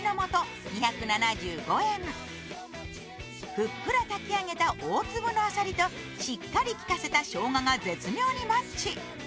ふっくら炊き上げた大粒のあさりとしっかりきかせた生姜が絶妙にマッチ。